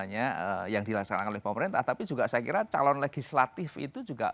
hanya yang dilaksanakan oleh pemerintah tapi juga saya kira calon legislatif itu juga